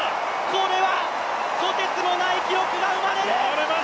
これはとてつもない記録が生まれる！